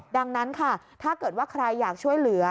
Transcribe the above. ดังนั้นค่ะถ้าเกิดว่าใครอยากช่วยเหลือ